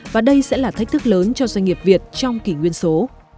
và đây sẽ là thách thức lớn cho doanh nghiệp việt trong kỷ nguyên số